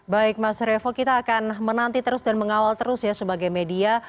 baik mas revo kita akan menanti terus dan mengawal terus ya sebagai media